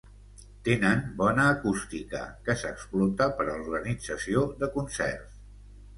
Tenen bona acústica que s'explota per a l'organització de concerts.